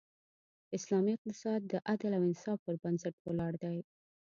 اسلامی اقتصاد د عدل او انصاف پر بنسټ ولاړ دی.